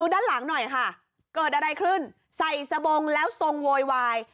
ด้านหลังหน่อยค่ะเกิดอะไรขึ้นใส่สบงแล้วทรงโวยวาย